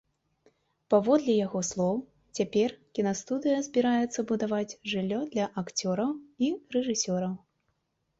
Паводле яго слоў, цяпер кінастудыя збіраецца будаваць жыллё для акцёраў і рэжысёраў.